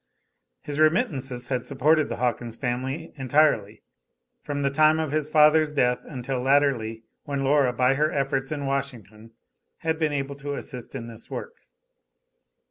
His remittances had supported the Hawkins family, entirely, from the time of his father's death until latterly when Laura by her efforts in Washington had been able to assist in this work.